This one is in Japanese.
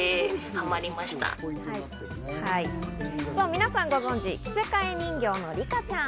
皆さんご存じ、着せ替え人形のリカちゃん。